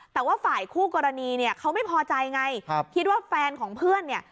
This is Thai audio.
แต่ว่าฝ่ายคู่กรณีเนี่ยเขาไม่พอใจไงคิดว่าแฟนของเพื่อนเนี่ย